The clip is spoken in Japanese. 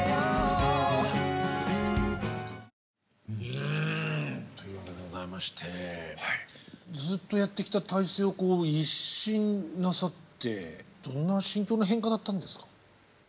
うんということでございましてずっとやってきた体制を一新なさってどんな心境の変化だったんですか？